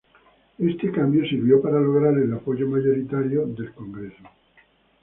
Este cambio sirvió para lograr el apoyo mayoritario del Congreso.